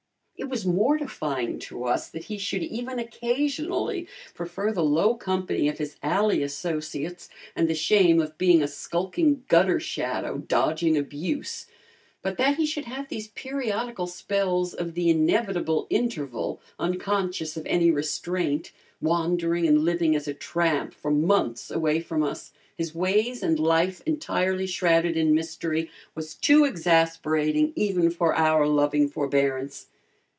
It was mortifying to us that he should even occasionally prefer the low company of his alley associates, and the shame of being a skulking gutter shadow, dodging abuse, but that he should have these periodical spells of the "inevitable interval," unconscious of any restraint, wandering and living as a tramp for months away from us, his ways and life entirely shrouded in mystery, was too exasperating even for our loving forbearance.